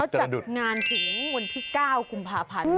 จัดงานถึงวันที่๙กุมภาพันธ์